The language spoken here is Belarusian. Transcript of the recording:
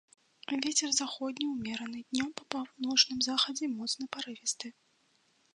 Вецер заходні ўмераны, днём па паўночным захадзе моцны парывісты.